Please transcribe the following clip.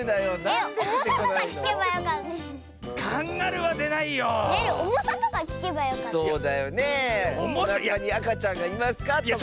「おなかにあかちゃんがいますか？」とか。